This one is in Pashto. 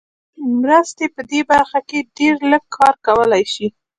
مرستې په دې برخه کې ډېر لږ کار کولای شي.